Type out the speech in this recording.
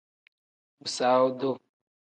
Bisaawu duu.